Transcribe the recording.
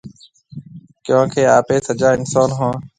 ڪيونڪي آپي سجا اِنسون هون۔